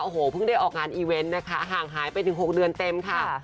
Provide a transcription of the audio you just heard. โอ้โหเพิ่งได้ออกงานอีเวนต์นะคะห่างหายไปถึง๖เดือนเต็มค่ะ